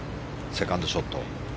セカンドショット。